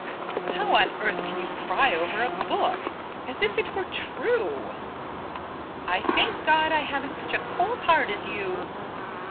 "How on earth can you cry over a book? As if it were true!" "I thank God I haven't such a cold heart as you."